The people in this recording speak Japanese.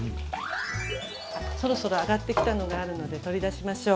そろそろ揚がってきたのがあるので取り出しましょう。